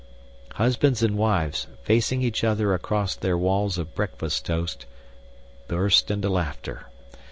Husbands and wives, facing each other across their walls of breakfast toast, burst into laughter.